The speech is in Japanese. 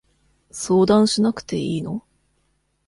相談しなくていいの？